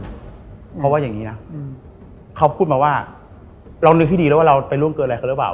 เพราะว่าอย่างนี้นะเขาพูดมาว่าเรานึกให้ดีแล้วว่าเราไปล่วงเกินอะไรเขาหรือเปล่า